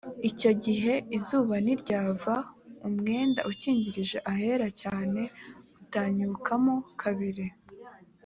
icyo gihe izuba ntiryava umwenda ukingiriza ahera cyane utanyukamo kabiri